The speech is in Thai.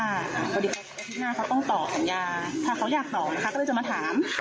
พอดีอาทิตย์หน้าเขาต้องต่อสัญญาถ้าเขาอยากต่อนะคะก็เลยจะมาถาม